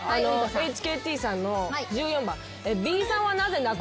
ＨＫＴさんの１４番。